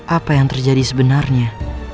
apa yang terjadi sebenarnya